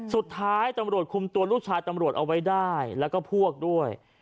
สุดท้ายตำรวจคุมตัวลูกชายตำรวจเอาไว้ได้แล้วก็พวกด้วย